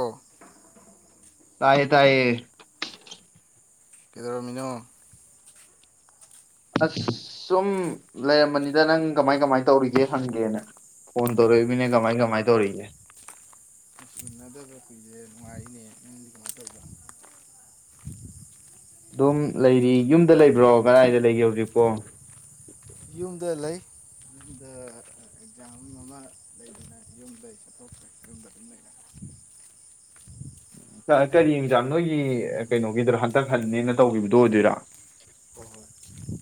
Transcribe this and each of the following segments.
ꯑꯣ ꯇꯥꯏ ꯇꯥꯏꯌꯦ ꯀꯗꯔꯥ ꯃꯤꯅ ꯑꯁ ꯁꯨꯝ ꯂꯩꯔꯝꯕꯅꯤꯗ ꯅꯪ ꯀꯃꯥꯏ ꯀꯃꯥꯏ ꯇꯧꯔꯤꯒꯦ ꯍꯪꯒꯦꯅ ꯐꯣꯟ ꯇꯧꯔꯛꯏꯃꯤꯅ ꯀꯃꯥꯏ ꯀꯃꯥꯏ ꯇꯧꯔꯤꯒꯦ ꯅꯨꯡ ꯆꯅꯗꯕ ꯀꯨꯏꯁꯦ ꯅꯨꯡꯉꯥꯏꯅꯦ ꯅꯪꯗꯤ ꯀꯃꯥꯏꯅ ꯇꯗ ꯑꯗꯨꯝ ꯂꯩꯔꯤ ꯌꯨꯝꯗ ꯂꯩꯕ꯭ꯔꯣ ꯀꯗꯥꯏꯗ ꯂꯩꯒꯦ ꯍꯧꯖꯤꯛꯄꯣ ꯌꯨꯝꯗ ꯂꯩ ꯌꯨꯝꯗ ꯑꯦꯛꯖꯥꯝ ꯑꯃ ꯂꯩꯗꯅ ꯌꯨꯝꯗ ꯆꯠꯊꯣꯛꯈ꯭ꯔꯦ ꯌꯨꯝꯗ ꯑꯗꯨꯝ ꯂꯩꯔ ꯀꯔꯤ ꯑꯦꯖꯥ ꯅꯣꯏꯒꯤ ꯀꯩꯅꯣꯒꯤꯗꯔ ꯍꯟꯇꯛ ꯍꯜꯅꯦꯅ ꯇꯧꯈꯤꯕꯗꯣ ꯑꯣꯏꯗꯣꯏꯔꯥ ꯍ ꯍꯣꯏ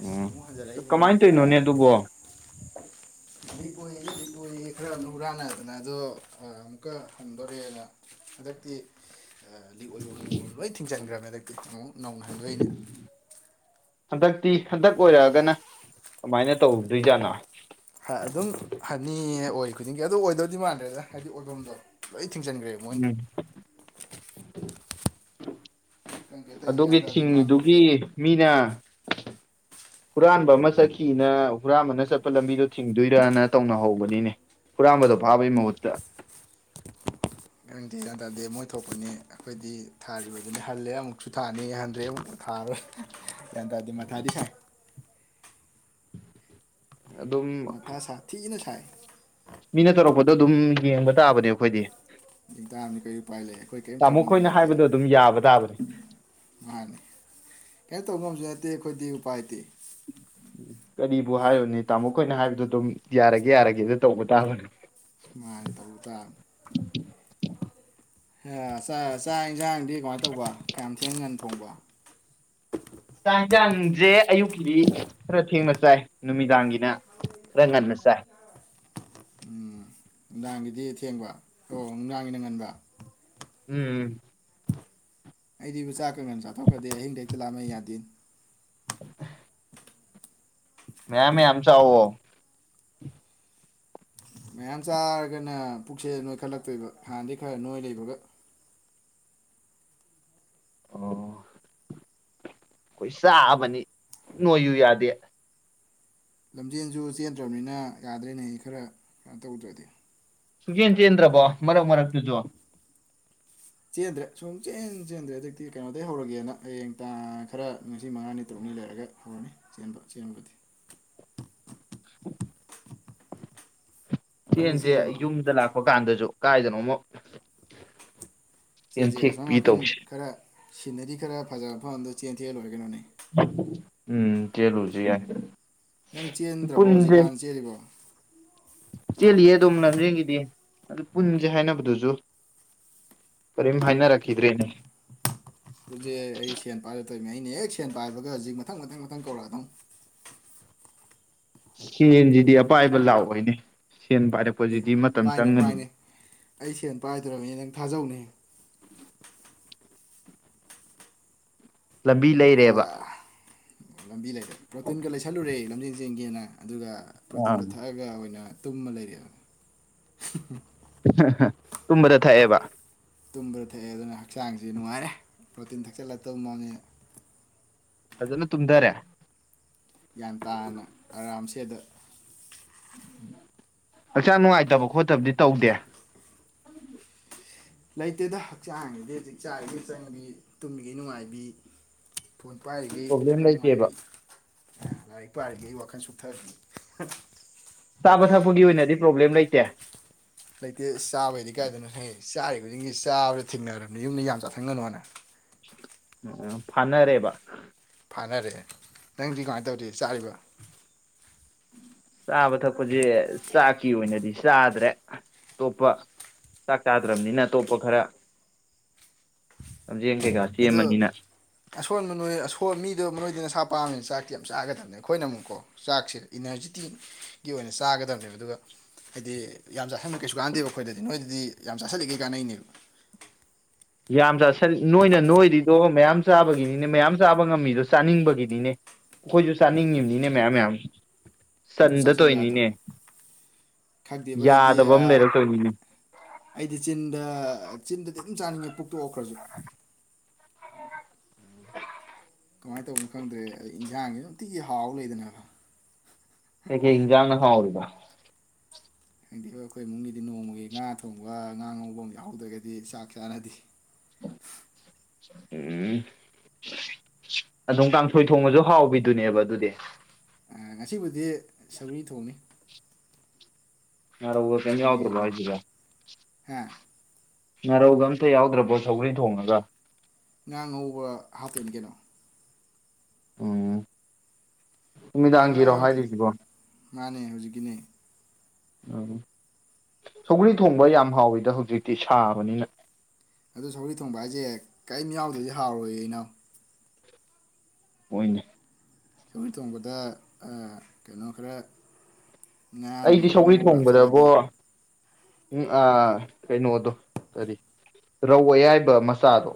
ꯑꯁ ꯎꯝ ꯑꯃꯨꯛ ꯍꯟꯖꯔꯛꯏꯦ ꯀꯃꯥꯏꯅ ꯈꯔ ꯇꯧꯔꯤꯅꯣꯅꯦ ꯑꯗꯨꯕꯣ ꯄꯨ ꯀꯣꯏꯌꯦ ꯈꯔ ꯍꯔꯥꯟꯅꯗꯅ ꯑꯗꯣ ꯑꯃꯨꯛꯀ ꯍꯪꯗꯣꯔꯑꯦꯅ ꯍꯟꯗꯛꯇꯤ ꯂꯤꯛ ꯑꯣꯏꯕ ꯂꯣꯏ ꯊꯤꯡꯖꯤꯟꯈ꯭ꯔꯃꯦ ꯈꯤ ꯅꯧꯅꯍꯟꯕ ꯑꯩꯅ ꯍꯟꯗꯛꯇꯤ ꯍꯟꯗꯛ ꯑꯣꯏꯔꯛꯑꯒꯅ ꯀꯃꯥꯏꯅ ꯇꯧꯗꯣꯏꯖꯥꯠꯅꯣ ꯑꯗꯨꯝ ꯍꯅꯤ ꯑꯣꯏ ꯈꯨꯗꯤꯡꯒꯤ ꯑꯗꯨ ꯑꯣꯏꯗꯧꯗꯤ ꯃꯥꯟꯗ꯭ꯔꯦꯗ ꯍꯥꯏꯗꯤ ꯑꯣꯏꯐꯝꯗꯣ ꯂ ꯊꯤꯡꯖꯤꯟꯈ꯭ꯔꯦ ꯃꯣꯏꯅ ꯎꯝ ꯈꯪꯗꯦ ꯇꯧꯔꯤꯁꯦ ꯒ꯭ꯌꯥꯟ ꯑꯗꯨꯒꯤ ꯇꯥꯗꯦ ꯃꯥ ꯊꯤꯡꯉꯤꯗꯨꯒꯤ ꯃꯤꯅ ꯍꯨꯔꯥꯟꯕ ꯑꯃ ꯆꯠꯈꯤꯅ ꯍꯨꯔꯥꯟꯕꯅ ꯆꯠꯄ ꯂꯝꯕꯤꯗꯣ ꯊꯤꯡꯗꯣꯏꯔꯅ ꯇꯧꯅꯍꯧꯕꯅꯤꯅꯦ ꯍꯨꯔꯥꯟꯕꯗꯣ ꯐꯥꯕꯩ ꯃꯍꯨꯠꯇ ꯈꯪꯗꯦ ꯌꯥꯟ ꯇꯥꯗꯦ ꯃꯣꯏ ꯊꯣꯛꯄꯅꯦ ꯑꯩꯈꯣꯏꯗꯤ ꯊꯥꯔꯤꯕꯗꯨꯅꯤ ꯍꯜꯂꯦ ꯑꯃꯨꯛꯁꯨ ꯊꯥꯅꯤ ꯍꯟꯗ꯭ꯔꯦ ꯑꯃꯨꯛꯇ ꯊꯥꯔꯣꯏ ꯌꯥꯗ ꯑꯗꯨꯗꯤ ꯃ ꯊꯥꯗꯤꯁꯦ ꯑꯗꯨꯝ ꯃꯊ ꯁꯥ ꯊꯤꯅ ꯁꯥꯏ ꯃꯤꯅ ꯇꯧꯔꯛꯄꯗꯣ ꯑꯗꯨꯝ ꯌꯦꯡꯕ ꯇꯥꯕꯅꯦ ꯑꯩꯈꯣꯏꯗꯤ ꯗꯥꯡꯝꯅꯤ ꯀꯔꯤ ꯎꯄꯥꯏ ꯂꯩ ꯑꯩꯈꯣꯏ ꯀꯔꯤꯝ ꯇꯥꯃꯣ ꯇꯧꯐꯝꯁꯨ ꯈꯣꯏꯅ ꯅꯠꯇꯦ ꯍꯥꯏꯕꯗꯣ ꯑꯗꯨꯝ ꯌꯥꯕ ꯇꯥꯕꯅꯦ ꯃꯥꯅꯤ ꯎꯄꯥꯏꯗꯤ ꯀꯔꯤꯕꯨ ꯍꯥꯏꯔꯨꯅꯦ ꯇꯥꯃꯣꯈꯣꯏꯅ ꯍꯥꯏꯕꯗꯨꯣ ꯑꯗꯨꯝ ꯌꯥꯔꯒꯦ ꯌꯥꯔꯒꯦꯗ ꯇꯧꯕ ꯇꯥꯕꯅꯦ ꯃꯥꯅꯤ ꯇꯧꯕ ꯇꯥꯕꯅꯤ ꯆꯥꯛ ꯌꯦꯟꯁꯥꯡꯗꯤ ꯀꯃꯥꯏꯅ ꯇꯧꯕ ꯀꯌꯥꯝ ꯊꯦꯡ ꯉꯥꯟ ꯊꯣꯡꯕ ꯆ ꯆꯥꯛ ꯌꯦꯟꯁꯥꯡꯁꯦ ꯑꯌꯨꯛꯀꯤꯗꯤ ꯈꯔ ꯊꯦꯡꯅ ꯆꯥꯏ ꯅꯨꯃꯤꯗꯥꯡꯒꯤꯅ ꯈꯔ ꯉꯟꯅ ꯆꯥꯏ ꯎꯝ ꯅꯨꯡꯗꯥꯡꯒꯤꯗꯤ ꯊꯦꯡꯕ ꯑꯣ ꯅꯨꯡꯗꯥꯡꯒꯤ ꯅꯪ ꯉꯟꯕ ꯎꯝ ꯎꯝ ꯑꯩꯗꯤꯕꯨ ꯆꯥꯛ ꯀꯉꯅ ꯆꯥꯊꯣꯛꯀꯗꯦ ꯑꯍꯤꯡꯗ ꯍꯩꯛꯇ ꯂꯥꯛꯝꯃꯩ ꯌꯥꯗꯦ ꯃꯌꯥꯝ ꯃꯌꯥꯝꯝꯆꯥ ꯑ ꯃꯌꯥꯝ ꯆꯥꯔꯒꯅ ꯄꯨꯛꯁꯦꯜ ꯅꯣꯏꯈꯠꯂꯛꯇꯣꯏꯕ ꯍꯥꯟꯅꯗꯤꯩ ꯈꯔ ꯅꯣꯏ ꯂꯩꯕꯒ ꯑꯣ ꯑꯩꯈꯣꯏ ꯆꯥꯑꯕꯅꯤ ꯅꯣꯏꯌꯨ ꯌꯥꯗꯦ ꯂꯝꯖꯦꯟꯁꯨ ꯆꯦꯟꯗ꯭ꯔꯕꯅꯤꯅ ꯌꯥꯗ꯭ꯔꯦꯅꯦ ꯈꯔ ꯀ ꯇꯧꯗ꯭ꯔꯗꯤ ꯁꯨꯛꯆꯦꯟ ꯆꯦꯟꯗ꯭ꯔꯕꯣ ꯈꯔ ꯃꯔꯛ ꯃꯔꯛꯇꯨꯁꯨ ꯆꯦꯟꯗ꯭ꯔꯦ ꯁꯨꯝ ꯆꯦꯟ ꯆꯦꯟꯗ꯭ꯔꯦ ꯍꯧꯖꯤꯛꯇꯤ ꯀꯩꯅꯣꯗꯒꯤꯩ ꯍꯧꯔꯒꯦꯅ ꯍꯌꯦꯡ ꯇꯥꯡ ꯈꯔ ꯉꯁꯤ ꯃꯉꯥꯅꯤ ꯇꯔꯨꯛꯅꯤ ꯂꯩꯔꯒ ꯍꯧꯔꯅꯤ ꯆꯦꯟꯕ ꯆꯦꯟꯕꯗꯤ ꯅꯪꯗꯤ ꯁꯦꯟꯁꯦ ꯆꯦꯜꯂꯤꯕꯣ ꯌꯨꯝꯗ ꯂꯥꯛꯄ ꯀꯥꯟꯗꯁꯨ ꯀꯥꯏꯗꯅꯣꯃꯣ ꯆꯦꯟ ꯆꯦ ꯁꯣꯝ ꯅꯥꯀꯟ ꯇꯧꯁꯦ ꯈꯔ ꯁꯤꯅꯔꯤ ꯈꯔ ꯐꯖꯕ ꯃꯐꯝꯗꯣ ꯆꯦꯟ ꯆꯦꯜ ꯂꯣꯏꯔ ꯀꯅꯣꯅꯦ ꯎꯝ ꯆꯂꯨꯖ ꯌꯥ ꯅꯪ ꯆꯦꯟꯗ꯭ꯔꯕꯣ ꯍꯧꯖꯤꯛꯀꯥꯟ ꯆꯦꯜꯂꯤꯕꯣ ꯆꯦꯜꯂꯤꯌꯦ ꯑꯗꯣꯝ ꯂꯝꯖꯤꯡꯒꯤꯗꯤ ꯑꯗꯨ ꯄꯨꯟꯁꯦ ꯍꯥꯏꯅꯕꯗꯨꯁꯨ ꯀꯔꯤꯝ ꯍꯥꯏꯅꯔꯛꯈꯤꯗ꯭ꯔꯦꯅꯦ ꯍꯧꯖꯤꯛ ꯑꯩ ꯁꯦꯟ ꯄꯥꯏꯔꯛꯇꯣꯏꯅꯤ ꯑꯩꯅ ꯍꯦꯛ ꯁꯦꯟ ꯄꯥꯏꯕꯒ ꯍꯧꯖꯤꯛ ꯃꯊꯪ ꯃꯊꯪ ꯃꯊꯪ ꯀꯧꯔꯛꯑꯗꯧ ꯁꯦꯡꯁꯤꯗꯤ ꯑꯄꯥꯏꯕ ꯂꯥꯛꯑꯣꯏꯅꯦ ꯁꯦꯟ ꯑꯦ ꯄꯥꯏꯔꯛꯄꯁꯤꯗꯤ ꯃꯇꯝ ꯄꯥꯏꯅꯦ ꯆꯪꯒꯅꯤ ꯄꯥꯏꯅꯦ ꯑꯩ ꯁꯦꯟ ꯄꯥꯏꯗ꯭ꯔꯕꯅꯤ ꯅꯪ ꯊꯥꯖꯧꯅꯦ ꯂꯝꯕꯤ ꯂꯩꯔꯦꯕ ꯂꯝꯕꯤ ꯂꯩ ꯄ꯭ꯔꯣꯇꯤꯟꯒ ꯂꯩꯁꯜꯂꯨꯔꯦ ꯂꯝꯖ ꯌꯦꯤꯡꯒꯤꯦꯅ ꯑꯗꯨꯒ ꯑꯥ ꯄ꯭ꯔꯣꯇꯤꯟꯗꯣ ꯊꯛꯑꯒ ꯑꯣꯏꯅ ꯇꯨꯝꯃ ꯂꯩꯔꯦ ꯇꯨꯝꯕꯗꯊ ꯑꯦ ꯇꯨꯝꯕꯗ ꯊꯛꯑꯦ ꯑꯗꯨꯅ ꯍꯛꯆꯥꯡꯁꯤ ꯅꯨꯡꯉꯥꯏꯔꯦ ꯄ꯭ꯔꯣꯇꯤꯟ ꯊꯛꯆꯤꯜꯂꯛꯇꯕ ꯃꯑꯣꯉꯦ ꯐꯖꯅ ꯇꯨꯝꯊꯔꯦ ꯒ꯭ꯌꯥꯟ ꯇꯥꯅ ꯑꯔꯥꯝꯁꯗ ꯍꯛꯆꯥ ꯅꯨꯡꯉꯥꯏꯇꯕ ꯈꯣꯠꯇꯕꯗꯤ ꯇꯧꯗꯦ ꯂꯩꯇꯦꯗ ꯍꯛꯆꯥꯡꯒꯤꯗꯤ ꯍꯧꯖꯤꯛ ꯆꯥꯔꯤꯈꯩ ꯆꯪꯕꯤ ꯇꯨꯝꯕꯤꯈꯩ ꯅꯨꯡꯉꯥꯏꯕꯤ ꯐꯣꯟ ꯄꯥꯏꯔꯤꯒꯦ ꯄ꯭ꯔꯣꯕ꯭ꯂꯦꯝ ꯋꯥꯈꯜ ꯂꯩꯇꯦꯕ ꯅꯨꯡꯉꯥꯏꯔꯤ ꯂꯥꯏꯔꯤꯛ ꯄꯥꯏꯔꯤꯒꯦ ꯋꯥꯈ ꯑꯈꯪꯁꯨꯊꯥ ꯆꯥꯕ ꯊꯛꯄꯒꯤ ꯑꯣꯏꯅꯗꯤ ꯄ꯭ꯔꯣꯕ꯭ꯂꯦꯝ ꯂꯩꯇꯦ ꯂꯩꯇꯦ ꯆꯥꯕꯩꯗꯤ ꯀꯥꯏꯗꯅꯣ ꯍꯦ ꯆꯥꯔꯤ ꯈꯨꯗꯤꯡꯁꯤ ꯆꯥꯕꯗ ꯊꯦꯡꯅꯔꯕꯅꯤ ꯌꯨꯝꯗ ꯌꯥꯝ ꯆꯥꯊꯪꯒꯅꯨꯅ ꯎꯝ ꯐꯅꯔꯦꯕ ꯀꯥꯟꯅꯔꯑꯦ ꯅꯪꯗꯤ ꯀꯃꯥꯏꯅ ꯇꯧꯗꯦ ꯆꯥꯔꯤꯕ ꯆꯥꯕ ꯊꯛꯄꯁꯦ ꯆꯥꯛꯀꯤ ꯑꯣꯏꯅꯗꯤ ꯆꯥꯗ꯭ꯔꯦ ꯑꯇꯣꯞꯄ ꯆꯥꯛ ꯆꯥꯗ꯭ꯔꯕꯅꯤꯅ ꯑꯇꯣꯞꯄ ꯈꯔ ꯂꯝꯖ ꯑꯗꯨ ꯑꯁꯣꯟꯕ ꯅꯣꯏ ꯑꯁ ꯃꯤꯗꯣ ꯃꯔꯣꯏꯗ ꯅꯁꯥ ꯄꯥꯝꯃꯤꯁꯦ ꯆꯥꯛꯇꯤ ꯌꯥꯝ ꯆꯥꯒꯗꯕꯅꯦ ꯑꯩꯈꯣꯏꯅ ꯑꯃꯨꯛꯀꯣ ꯆꯥꯛꯁꯦ ꯏꯅꯔꯖꯤꯇꯤꯒꯤ ꯑꯣꯏꯅ ꯆꯥꯒꯗꯕꯅꯦꯕ ꯑꯗꯨꯒ ꯍꯥꯏꯗꯤ ꯌꯥꯝ ꯆꯥꯁꯟꯕ ꯀꯩꯁꯨ ꯀꯥꯟꯅꯗꯦꯕ ꯑꯩꯈꯣꯏꯗꯗꯤ ꯅꯣꯏꯗꯗꯤ ꯌꯥꯝ ꯆꯥꯥꯁꯜꯂꯤꯒꯦ ꯀꯥꯟꯅꯩꯅꯦꯕ ꯌꯥꯝ ꯆ ꯅꯣꯏꯅ ꯅꯣꯏꯔꯤꯗꯣ ꯃꯌꯥꯝ ꯆꯥꯕꯒꯤꯅꯤꯅꯦ ꯃꯌꯥꯝ ꯆꯥꯕ ꯉꯝꯃꯤꯗꯣ ꯆꯥꯅꯤꯡꯕꯒꯤꯅꯤꯅꯦ ꯑꯩꯈꯣꯏꯁꯨ ꯆꯥꯅꯤꯡꯉꯤꯕꯅꯤꯅꯦ ꯃꯌꯥꯝ ꯃꯌꯥꯝ ꯑꯗꯨ ꯆꯟꯗ ꯆꯥꯥꯁꯜꯂꯨ ꯌꯥꯗ꯭ꯔꯣ ꯇꯧꯔꯤꯅꯤꯅꯦ ꯈꯪꯗꯦꯕ ꯑꯩꯗꯤ ꯌꯥꯗꯕ ꯑꯃ ꯂꯩꯔꯛꯇꯣꯏꯅꯤꯅꯦ ꯑꯩꯗꯤ ꯆꯤꯟꯗ ꯆꯤꯟꯗꯗꯤ ꯑꯗꯨꯝ ꯆꯥꯅꯤꯡꯉꯦ ꯄꯨꯛꯇꯣꯛꯑꯈ꯭ꯔꯁꯨ ꯀꯃꯥꯏꯅ ꯇꯧꯕꯅꯣ ꯈꯪꯗ꯭ꯔꯦ ꯏꯟꯁꯥꯡꯒꯤ ꯅꯨꯡꯇꯤꯒꯤ ꯍꯥꯎ ꯂꯩꯗꯅꯀ ꯑꯩ ꯀꯦ ꯏꯤꯡꯖꯥꯡꯅ ꯍꯥꯎꯔꯤꯕ ꯍꯥꯏꯪꯗꯤ ꯑꯩꯈꯣꯏ ꯏꯃꯨꯡꯒꯤꯗꯤ ꯅꯣꯡꯃꯒꯤ ꯉꯥ ꯊꯣꯡꯕ ꯉꯥ ꯉꯧꯕ ꯑꯃ ꯌꯥꯎꯍꯧꯗ꯭ꯔꯒꯗꯤ ꯆꯥꯛ ꯆꯥꯅꯗꯤꯦ ꯎꯝ ꯑꯗꯨꯝ ꯀꯥꯡꯊꯣꯏ ꯊꯣꯡꯕꯁꯨ ꯍꯥꯎꯕꯤꯗꯨꯅꯦꯕ ꯑꯗꯨꯗꯤ ꯉꯁꯤꯕꯨꯗꯤ ꯁꯎꯔꯤ ꯊꯣꯡꯅꯤ ꯌꯥꯔ ꯆꯅ ꯁꯧꯒ꯭ꯔꯤ ꯌꯥꯎꯗ꯭ꯔꯂ ꯑꯃ ꯍꯥꯏꯗꯂ ꯍꯥ ꯉꯅꯥꯔꯧꯕ ꯑꯝꯇ ꯌꯥꯎꯗ꯭ꯔꯕꯣ ꯁꯧꯟ ꯊꯣꯡꯂꯒ ꯉꯥ ꯉꯧꯕ ꯍꯥꯞꯄꯅꯤ ꯀꯩꯅꯣ ꯑꯣ ꯀꯥꯏ ꯉꯥ ꯅꯨꯃꯤꯗꯥꯡꯒꯤꯔꯣ ꯌꯥꯎꯗꯗꯤ ꯍꯥꯏꯔꯤꯕꯣ ꯃꯥꯅꯦ ꯍꯧꯖꯤꯛꯀꯤꯅꯦ ꯎꯝ ꯁꯧꯒ꯭ꯔꯤ ꯊꯣꯡꯕ ꯌꯥꯝ ꯍꯥꯎꯋꯤꯗ ꯍꯧꯖꯤꯛꯇꯤ ꯁꯥꯕꯅꯤꯅ ꯑꯗꯣ ꯁꯧꯔꯤ ꯊꯣꯡꯕ ꯍꯥꯏꯁꯦ ꯀꯔꯤꯝ ꯌꯥꯎꯗꯗꯤ ꯍꯥꯎꯔꯣꯏꯏ ꯑꯩꯅꯣ ꯅ ꯁꯣꯏ ꯊꯣꯡꯕꯗ ꯀꯩꯅꯣ ꯈꯔ ꯉꯥ ꯅꯨꯡ ꯑꯩꯗꯤ ꯈꯔ ꯁꯧꯔꯤ ꯉꯧꯔ ꯊꯣꯡꯕꯗꯕꯣ ꯍꯥꯞꯆꯜꯂꯗꯤ ꯎꯝ ꯑꯥ ꯀꯩꯅꯣꯗꯣ ꯀꯔꯤ ꯔꯧꯌꯥꯏꯕ ꯃꯆꯥꯗꯣ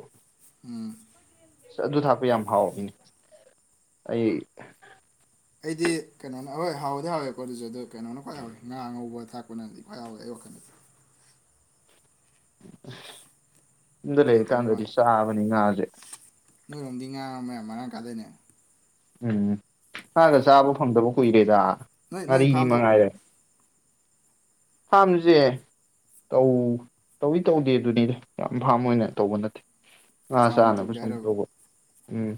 ꯎꯝ ꯑꯗꯨ ꯊꯥꯛꯄ ꯌꯥꯝ ꯍꯥꯎꯕ ꯃꯤꯅꯤ ꯑꯩ ꯑꯩꯗꯤ ꯀꯩꯅꯣꯅ ꯍꯣꯏ ꯍꯥꯎꯗꯤ ꯍꯥꯎꯋꯦꯀꯣ ꯑꯗꯨꯁꯨ ꯑꯗꯨꯗꯣ ꯀꯩꯅꯣꯅ ꯈ꯭ꯋꯥ ꯍꯥꯎꯋꯦ ꯉꯥ ꯉꯧꯕ ꯊꯥꯛꯄꯅꯗꯤ ꯈ꯭ꯋꯥꯏ ꯍꯥꯎꯋꯦ ꯑꯩ ꯋꯥꯈꯜꯗꯗꯤ [inaudible] ꯏꯟꯗ ꯂꯩꯇꯕꯩ ꯂꯩꯔꯀꯥꯟꯗꯗꯤ ꯋꯥꯅꯤ ꯆꯥꯕꯅꯤ ꯉꯥꯁꯦ ꯅꯣꯏꯔꯣꯝꯗꯤ ꯉꯥꯡꯔꯝꯃꯦꯌꯥꯝ ꯃꯔꯥꯡ ꯀꯥꯗꯅꯦ ꯎꯝ ꯍꯒ ꯆꯥꯕ ꯐꯪꯗꯕ ꯀꯨꯏꯔꯦꯗ ꯅꯣꯏ ꯅꯣꯏ ꯉꯥꯔꯤꯒꯤ ꯐꯥꯝ ꯇꯧꯕ꯭ꯔꯣ ꯃꯉꯥꯏꯔꯦ ꯐꯥꯝꯁꯦ ꯇꯧ ꯇꯧꯏꯤ ꯇꯧꯗꯦ ꯑꯗꯨꯅꯤꯅꯦ ꯌꯥꯝ ꯐꯥꯝ ꯑꯣꯏꯅ ꯇꯧꯕ ꯅꯠꯇꯦ ꯑꯥ ꯆꯥꯎꯅ ꯆꯅ ꯄ ꯇꯧꯗꯦ ꯁ ꯇꯧꯕ ꯎꯝ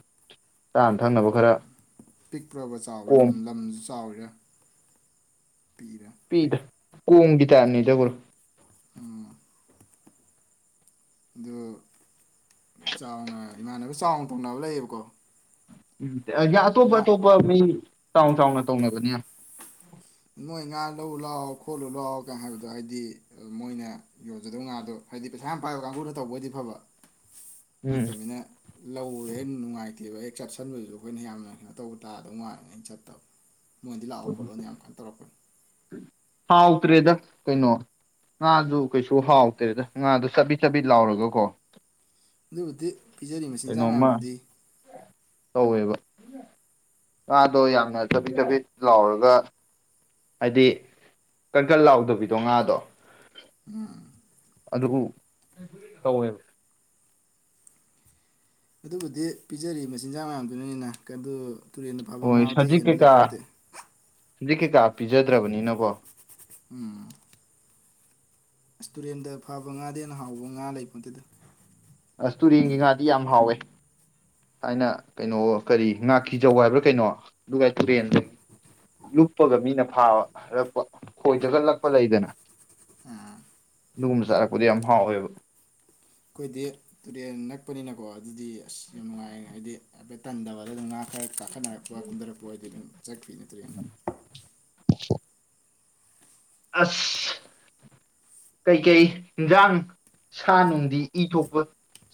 ꯆꯥꯅ ꯊꯛꯅꯕ ꯎꯝ ꯈꯔ ꯄꯤꯛꯄ꯭ꯔꯕ ꯆꯥꯎꯔꯦ ꯂꯝ ꯀꯣꯝ ꯂꯝꯁꯨ ꯆꯥꯎꯔꯦ ꯄ ꯄꯤꯗ ꯀꯣꯡꯒꯤ ꯇꯥꯏꯞꯅꯤꯗꯕꯨ꯭ꯔꯣ ꯎꯝ ꯑꯗꯨ ꯆꯥꯎꯉ ꯏꯃꯥꯟꯅꯕ ꯆꯥꯎꯅ ꯇꯣꯡꯅꯕ ꯂꯩꯌꯦꯕꯀꯣ ꯎꯝ ꯑꯇꯣꯞ ꯉꯥ ꯑꯇꯣꯞꯄ ꯃꯤ ꯆꯥꯎ ꯆꯥꯎꯅ ꯇꯧꯅꯕꯅꯤ ꯑ ꯅꯣꯏ ꯉꯥ ꯂꯧ ꯂꯥꯛꯑꯣ ꯈꯣꯠꯂꯨ ꯂꯥꯛꯑꯣ ꯀ ꯍꯥꯏꯕꯗꯣ ꯍꯥꯏꯗꯤ ꯃꯣꯏꯅ ꯌꯣꯟꯖꯗꯧ ꯉꯥꯗꯣ ꯍꯥꯏꯗꯤ ꯄꯩꯁꯥ ꯌꯥꯝ ꯄꯥꯏꯕ ꯀꯥꯡꯒꯨꯅ ꯇꯧꯕꯗꯤ ꯐꯕ ꯎꯝ ꯍꯇꯣ ꯃꯤ ꯂꯧꯔ ꯍꯦꯟꯅ ꯅꯨꯡꯉꯥꯏꯇꯦꯕ ꯍꯦꯛ ꯆꯠꯁꯟꯕꯗꯨꯁꯨ ꯑꯩꯈꯣꯏꯅ ꯌꯥꯝꯅ ꯀꯩꯅꯣ ꯇꯧꯕ ꯇꯥꯗꯧ ꯃꯥꯥꯟꯜꯂꯤꯉ ꯑꯩꯅ ꯆꯠꯇꯕ ꯃꯣꯏꯗꯤ ꯂꯥꯛꯑꯣ ꯈꯣꯂꯣꯅ ꯌꯥꯝ ꯈꯜꯂꯤ ꯍꯥꯎꯇ꯭ꯔꯦꯗ ꯀꯩꯅꯣ ꯉꯥꯁꯨ ꯀꯩꯁꯨ ꯍꯥꯎꯇ꯭ꯔꯦꯗ ꯉꯥꯗꯣ ꯆꯥꯕꯤ ꯆꯥꯕꯤ ꯂꯥꯎꯔꯒꯀꯣ ꯑꯗꯨ ꯍꯧꯗꯤ ꯄꯤꯖꯔꯤꯕ ꯃꯆꯤꯟꯖꯥꯛ ꯀꯩꯅꯣꯝꯃ ꯃꯌꯥꯝꯗꯨꯗꯤ ꯇꯧꯋꯦꯕ ꯉꯥꯗꯣ ꯌꯥꯝꯅ ꯆꯄꯤꯠ ꯆꯕꯤꯠ ꯂꯥꯎꯔꯒ ꯍꯥꯏꯗꯤ ꯀꯟꯀꯟ ꯂꯥꯎꯗꯕꯤꯗꯣ ꯉꯥꯗꯣ ꯎꯝ ꯑꯗꯨꯕꯨ ꯀꯧꯋꯦꯕ ꯑꯗꯨꯕꯨꯗꯤ ꯄꯤꯖꯔꯤꯕ ꯃꯆꯤꯟꯖꯥꯛ ꯃꯌꯥꯝꯗꯨꯅꯅꯤꯅ ꯇꯨꯔꯦꯜꯟꯅ ꯐꯕ ꯉꯥꯕꯗꯒꯤ ꯍꯦꯟꯕ ꯂꯩꯄ ꯅꯠꯇꯦ ꯍꯧꯖꯤꯛ ꯀꯩꯀꯥ ꯄꯤꯖꯗ꯭ꯔꯕꯅꯤꯅꯀꯣ ꯎꯝ ꯔꯁꯇꯨꯔꯦꯟꯗ ꯐꯕ ꯉꯥꯗꯦꯅ ꯍꯥꯎꯕ ꯉꯥ ꯂꯩꯕ ꯑꯗꯨꯗ ꯑꯁ ꯇꯨꯔꯦꯟꯒꯤ ꯉꯥꯗꯤ ꯌꯥꯝ ꯍꯥꯎꯋꯦ ꯊꯥꯏꯅ ꯀꯩꯅꯣ ꯀꯔꯤ ꯉꯥꯀꯤꯤꯖꯧ ꯍꯥꯏꯕ꯭ꯔꯥ ꯀꯩꯅꯣ ꯑꯗꯨꯒ ꯇꯨꯔꯦꯟꯗ ꯂꯨꯞꯄꯒ ꯃꯤꯅ ꯐꯥꯕꯔꯛꯄ ꯈꯣꯏ ꯆꯒꯠꯂꯛꯄ ꯂꯩꯗꯅ ꯑꯥ ꯑꯗꯨꯒꯨꯝꯕ ꯆꯥꯔꯛꯄꯗ ꯌꯥꯝ ꯍꯥꯎꯋꯦꯕ ꯑꯩꯈꯣꯏꯗꯤ ꯇꯨꯔꯦꯟ ꯅꯛꯄꯅꯤꯅꯀꯣ ꯑꯗꯨꯗꯤ ꯑꯁ ꯌꯥꯝ ꯅꯨꯡꯉꯥꯏ ꯍꯥꯏꯗꯤ ꯍꯥꯏꯐꯦꯠ ꯇꯟꯗꯕꯗ ꯑꯗꯨꯝ ꯉꯥ ꯈꯔ ꯀꯥꯈꯠꯅꯔꯛꯄ ꯀꯨꯟꯊꯔꯛꯄ ꯍꯥꯏꯗꯤ ꯑꯗꯨꯝ ꯆꯠꯈꯤꯕ ꯅꯠꯇ꯭ꯔꯦꯅꯦ ꯑꯁ ꯀꯩꯀꯩ ꯏꯟꯖꯥꯡ ꯁꯥ ꯅꯨꯡꯗꯤ ꯏ ꯊꯣꯛꯄ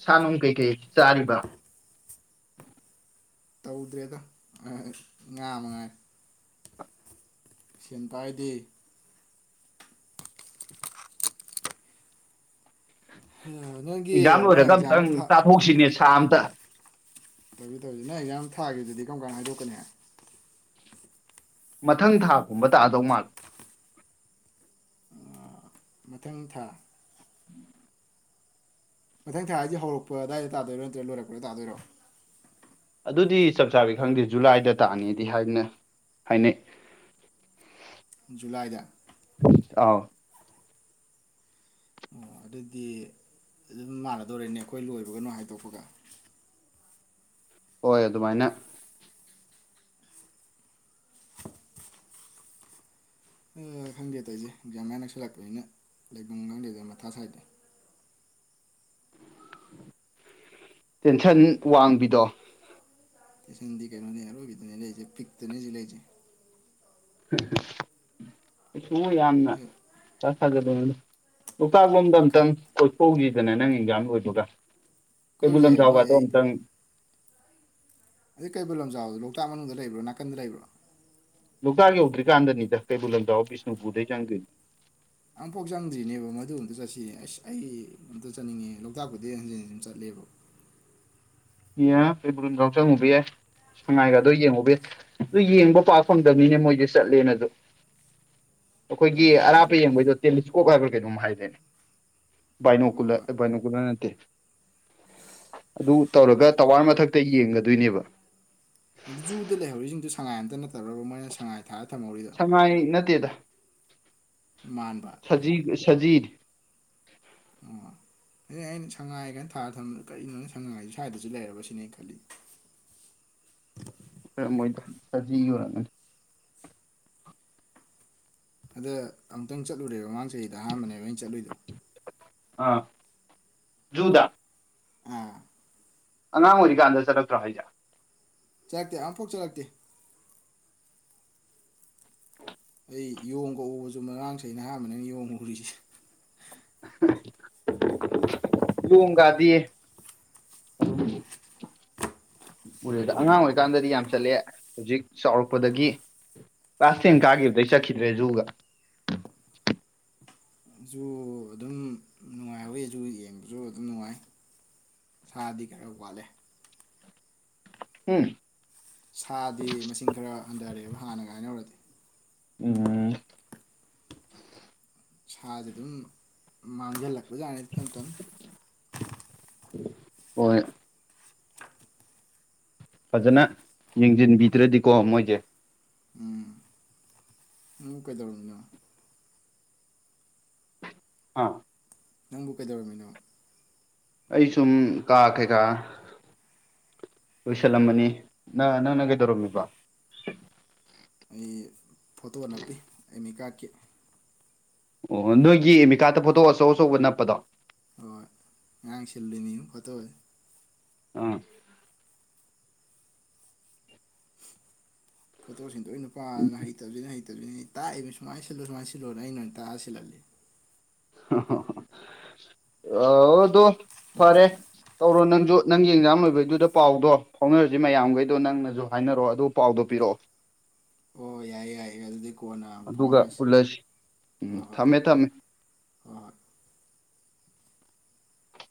ꯁꯥ ꯅꯨꯡ ꯀꯩꯀꯩ ꯆꯥꯔꯤꯕ ꯇꯧꯗ꯭ꯔꯦꯗꯣ ꯉꯥꯃꯉꯥꯏ ꯁꯦꯟꯇꯥꯏꯗꯦ ꯅꯪꯒꯤ ꯏꯟꯖꯥꯡ ꯂ ꯑꯃ ꯑꯦꯛꯖꯥꯝ ꯑꯣꯏꯔꯒꯝꯇꯪ ꯑꯃ ꯊꯥ ꯇꯥꯊꯣꯛꯁꯤꯅꯦꯁꯦ ꯁꯍꯝꯗ ꯇꯧꯁꯤ ꯇꯧꯁꯤ ꯅꯪ ꯌꯥꯝ ꯊꯥꯈꯤꯕꯗꯨꯗꯤ ꯀꯔꯝ ꯀꯥꯟꯅ ꯍꯥꯏꯗꯣꯛꯀꯅꯤ ꯃꯊꯪ ꯊꯥꯒꯨꯝꯕ ꯇꯥꯗꯧ ꯃꯥꯂ ꯃꯊꯪ ꯊꯥ ꯃꯊꯪ ꯊꯥ ꯍꯥꯏꯁꯤꯦ ꯍꯧꯔꯛꯄ ꯑꯗꯥꯋꯥꯏꯗ ꯇꯥꯗꯣꯏꯔꯣ ꯅꯠꯇ꯭ꯔꯒ ꯂꯣꯏꯔꯛꯄꯗ ꯇꯥꯗꯣꯏꯔꯣ ꯑꯗꯨꯗꯤ ꯆꯞ ꯆꯥꯕꯤ ꯈꯪꯗꯦ ꯖꯨꯂꯥꯏꯗ ꯇꯥꯛꯅꯤꯗꯤ ꯍꯥꯏꯗꯅ ꯍꯥꯏꯅꯩ ꯖꯨꯂꯥꯏꯗ ꯑꯥꯎ ꯑꯣ ꯑꯗꯨꯗꯤ ꯑꯗꯨꯝ ꯃꯥꯟꯅꯗꯧꯔꯦꯅꯦ ꯑꯩꯈꯣꯏ ꯂꯣꯏꯕꯒꯅꯣ ꯍꯥꯏꯗꯣꯛꯄꯒ ꯍꯣꯏ ꯑꯗꯨꯃꯥꯏꯅ ꯑ ꯈꯪꯗꯦ ꯇꯧꯁꯦ ꯑꯦꯛꯖꯥꯃꯥꯏ ꯅꯛꯁꯤꯜꯂꯛꯄꯅꯤꯅ ꯂꯩꯐꯝ ꯈꯪꯗꯦꯗ ꯃꯊꯥ ꯁꯥꯏꯗꯠꯇꯦ ꯇꯦꯟꯁꯟ ꯋꯥꯡꯕꯤꯗꯣ ꯀꯩꯅꯅꯦꯔꯣꯏꯅꯤ ꯂꯩꯦ ꯄꯤꯅꯤ ꯂꯩꯦ ꯁ ꯌꯥꯝꯅ ꯆꯥꯛꯊꯒꯗꯅꯤ ꯂꯣꯛꯀꯥꯛ ꯂꯣꯝꯗ ꯈꯠ ꯑꯝꯇꯪ ꯀꯣꯏꯄꯣꯛꯒꯤ ꯐꯅ ꯅꯪ ꯑꯦꯟꯖꯥꯝ ꯑꯣꯏꯣꯏꯗꯨꯒ ꯀꯣꯏꯔꯨꯁꯦ ꯑꯩꯕꯨꯂꯂꯝ ꯃꯣꯏ ꯆꯥꯎꯕꯗꯣ ꯑꯩ ꯑꯇꯪ ꯑꯗꯩꯕꯨꯜ ꯂꯝꯖꯥꯎꯗꯣ ꯂꯣꯛꯇꯥꯛ ꯃꯅꯨꯡꯗ ꯂꯩꯕ꯭ꯔꯣ ꯅꯥꯀꯟꯗ ꯂꯩꯕ꯭ꯔꯣ ꯂꯣꯛꯇꯥꯛ ꯌꯧꯗ꯭ꯔꯤꯀꯥꯟꯗꯅꯤꯗ ꯀꯩꯕꯨꯜ ꯂꯝꯖꯥꯎ ꯕꯤꯁꯅꯨꯕꯨꯗꯩ ꯆꯪꯒꯅꯤ ꯑꯃꯨꯐꯥꯎ ꯆꯪꯗ꯭ꯔꯤꯅꯦꯕ ꯃꯗꯨ ꯑꯝꯇ ꯆꯠꯁꯤ ꯑꯁ ꯑꯩ ꯑꯝꯇ ꯆꯠꯅꯤꯡꯉꯦ ꯂꯣꯛꯇꯥꯛꯄꯨꯗꯤ ꯍꯟꯖꯤꯟ ꯍꯟꯖꯤꯟ ꯆꯠꯂꯦꯕ ꯑꯦꯕ ꯌꯥꯎ ꯆꯪꯉꯨꯕ ꯌꯥꯏ ꯁꯉꯥꯏꯒꯗꯣ ꯌꯦꯡꯉꯨꯕ ꯌꯥꯏ ꯑꯗꯨ ꯌꯦꯡꯕ ꯄꯥꯛ ꯐꯪꯗꯕꯅꯤꯅꯦ ꯃꯣꯏꯁꯦ ꯆꯠꯂꯦꯅ ꯑꯗꯨ ꯑꯩꯈꯣꯏꯒꯤ ꯑꯗꯨ ꯑꯔꯥꯞꯄ ꯌꯦꯡꯕꯩꯗꯣ ꯇꯦꯂꯤꯁꯀꯣꯞ ꯍꯥꯏꯕ꯭ꯔꯥ ꯀꯩꯩꯅꯣꯝ ꯍꯥꯏꯔꯦꯅꯦ ꯍꯣꯏ ꯕꯥꯏꯅꯣꯀꯨꯂ ꯍꯣꯏ ꯕꯥꯏꯅꯣꯀꯨꯂꯔ ꯅꯠꯇꯦ ꯑꯗꯨ ꯇꯧꯔꯒ ꯑꯗꯨ ꯇꯋꯥꯏ ꯃꯊꯛ ꯑ ꯇ ꯌꯦꯡꯒꯗꯣꯏꯅꯦꯕ ꯑꯗꯨ ꯖꯨꯗ ꯂꯩꯍꯧꯔꯤꯁꯤꯡꯗꯨ ꯁꯉꯥꯏ ꯑꯝꯇ ꯅꯠ ꯇꯧꯔꯒ ꯃꯣꯏꯅ ꯁꯉꯥꯏ ꯊꯥꯔ ꯊꯝ ꯁꯉꯥꯏ ꯅꯠꯇꯦꯗ ꯃꯥꯟꯕ ꯁꯖꯤ ꯁꯖꯤ ꯍꯥ ꯑꯩꯅ ꯑꯩꯅ ꯁꯉꯥꯏ ꯀꯥꯏꯅ ꯊꯥꯔ ꯊꯝꯕꯗ ꯀꯔꯤꯅꯣꯅꯦ ꯁꯉꯥꯏꯁꯤ ꯁ꯭ꯋꯥꯏꯗꯁꯨ ꯂꯩꯔꯕ ꯁꯤꯅꯦ ꯑꯩ ꯈꯜꯂꯤ ꯃꯣꯏꯗꯣ ꯁꯖꯤ ꯑꯣꯏꯔꯝꯒꯅꯤ ꯑꯗ ꯑꯃꯨꯛꯇꯪ ꯆꯠꯂꯨꯔꯦꯕ ꯃꯃꯥꯡ ꯁꯤꯗ ꯑꯍꯥꯟꯕꯅꯦ ꯑꯩ ꯆꯠꯂꯨꯏꯗꯣ ꯑꯥ ꯖꯨꯗꯥ ꯑꯥ ꯑꯉꯥꯡ ꯑꯣꯏꯔꯤꯀꯥꯟꯗ ꯆꯠꯂꯛꯇ꯭ꯔꯣ ꯍꯥꯏꯖꯦ? ꯆꯛꯇꯦ ꯑꯝꯐꯥꯎ ꯆꯠꯂꯛꯇꯦ ꯑꯩ ꯌꯣꯡꯒ ꯎꯕꯁꯨ ꯃꯔꯥꯡ ꯆꯍꯤꯅ ꯑꯍꯥꯟꯕꯅꯦ ꯑꯩꯅꯥ ꯌꯣꯡ ꯑꯨꯔꯤꯁꯦ꯫ ꯌꯣꯡ ꯀꯗꯤ [unintelligible] ꯑꯔꯦꯗ, ꯑꯉꯥꯡ ꯑꯣꯏꯔꯤ ꯀꯥꯟꯗꯗꯤ ꯌꯥꯝ ꯆꯠꯂꯦ ꯍꯧꯖꯤꯛ ꯆꯥꯎꯔꯛꯄꯗꯒꯤ ꯀ꯭ꯂꯥꯁ ꯇꯦꯟ ꯀꯥꯈꯤꯕꯗꯩ ꯆꯠꯈꯤꯗ꯭ꯔꯦ ꯖꯨꯒꯥ ꯖꯨ ꯑꯗꯨꯝ ꯅꯨꯡꯉꯥꯏꯍꯧꯋꯤ ꯖꯨ ꯌꯦꯡꯕꯁꯨ ꯑꯗꯨꯝ ꯅꯨꯡꯉꯥꯏ ꯁꯥꯗꯤ ꯈꯔ ꯋꯥꯠꯂꯦ ꯎꯝ ꯁꯥꯗꯤ ꯃꯁꯤꯡ ꯈꯔ ꯍꯟꯊꯥꯔꯦꯕ ꯍꯥꯟꯅꯒꯥ ꯍꯥꯏꯅꯔꯨꯔꯗꯤ꯫ ꯎꯝ ꯁꯥꯁꯦ ꯑꯗꯨꯝ ꯃꯥꯡꯖꯜꯂꯛꯄ ꯖꯥꯅꯤꯗ ꯇꯝ ꯇꯝꯅ ꯍꯣꯏ ꯐꯖꯅ ꯌꯦꯡꯁꯤꯟꯕꯤꯗ꯭ꯔꯗꯤꯀꯣ ꯃꯣꯏꯁꯦ ꯎꯝ ꯎꯝ ꯀꯩꯗꯧꯔꯤꯅꯣ? ꯑꯥ ꯅꯪꯕꯨ ꯀꯩꯗꯧꯔꯝꯃꯤꯅꯣ? ꯑꯩ ꯁꯨꯝ ꯀꯥ ꯀꯩꯀꯥ ꯂꯣꯏꯁꯤꯜꯂꯝꯕꯅꯤ ꯅꯥ ꯅꯪꯅ ꯀꯩꯗꯧꯔꯝꯃꯤꯕ? ꯑꯩ ꯐꯣꯇꯣ ꯅꯞꯄꯤ ꯑꯃꯤ ꯀꯥꯔꯠꯀꯤ ꯑꯣ ꯅꯣꯏꯒꯤ ꯑꯦꯃꯤꯀꯥꯗ ꯐꯣꯇꯣ ꯑꯆꯧ ꯑꯆꯧꯕ ꯅꯞꯄꯗꯣ? ꯍꯣꯏ ꯉꯔꯥꯡ ꯁꯤꯜꯂꯨꯏꯅꯤ ꯎꯝ ꯐꯇꯣ ꯑꯥ ꯐꯇꯣ ꯁꯤꯡ ꯂꯣꯏ ꯅꯨꯄꯥꯗꯨꯅ ꯍꯩꯇꯕꯁꯤꯅ ꯍꯩ ꯑꯗꯨꯒꯤ ꯇꯥꯛꯏꯕꯅꯤ, ꯁꯨꯃꯥꯏꯅ ꯁꯤꯜꯂꯨ ꯁꯨꯃꯥꯏꯅ ꯁꯤꯜꯂꯣꯅ ꯑꯩꯅ ꯑꯣꯏꯅ ꯇꯥꯛꯑ ꯁꯤꯜꯍꯜꯂꯤꯅꯤ [unintelligible] ꯑꯥ ꯗꯣ ꯐꯔꯦ ꯇꯧꯔꯣ ꯅꯪꯁꯨ ꯅꯪ ꯌꯦꯟꯖꯝ ꯂꯣꯏꯕꯩꯗꯨꯗ ꯄꯥꯎꯗꯣ ꯐꯥꯎꯅꯔꯁꯤ ꯃꯌꯥꯝꯈꯩꯗꯣ ꯅꯪꯅꯁꯨ ꯍꯥꯏꯅꯔꯛꯑꯣ ꯑꯗꯨꯒ ꯄꯥꯎꯗꯣ ꯄꯤꯔꯛꯑꯣ꯫ ꯑꯣ ꯌꯥꯏꯌꯦ ꯌꯥꯏꯌꯦ ꯑꯗꯨꯗꯤ ꯀꯣꯟꯅ ꯑꯃꯨ ꯑꯗꯨꯒ ꯐꯥꯎꯅꯔꯁꯤ ꯄꯨꯜꯂꯁꯤ ꯍꯣꯏ ꯎꯝ ꯍꯣꯏ ꯊꯝꯃꯦ ꯊꯝꯃꯦ ꯍꯣꯏ ꯍꯣꯏ